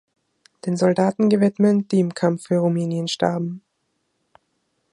Den Soldaten gewidmet, die im Kampf für Rumänien starben.